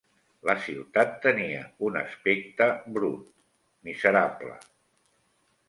La ciutat tenia un aspecte brut, miserable